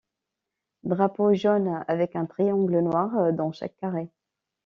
Drapeaux jaunes avec un triangle noir dans chaque carré.